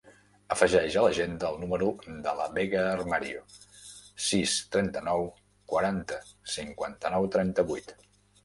Afegeix a l'agenda el número de la Vega Armario: sis, trenta-nou, quaranta, cinquanta-nou, trenta-vuit.